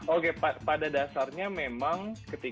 oke pada dasarnya memang ketika kita berolahraga